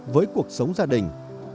với cuộc sống gia đình